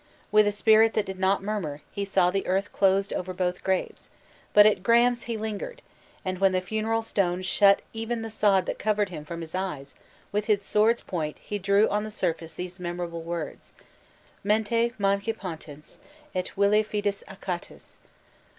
With a spirit that did not murmur, he saw the earth closed over both graves; but at Graham's he lingered; and when the funeral stone shut even the sod that covered him from his eyes, with his sword's point he drew on the surface these memorable words: "Mente manuque potens, et Walli fidus Achates.